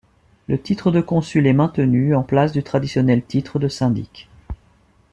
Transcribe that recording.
Le titre de consul est maintenu en place du traditionnel titre de syndic.